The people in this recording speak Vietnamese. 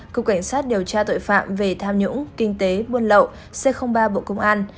cục cảnh sát điều tra tội phạm về tham nhũng kinh tế buôn lậu c ba bộ công an